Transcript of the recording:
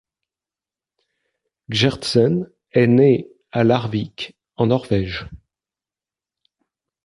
Gjertsen est né à Larvik en Norvège.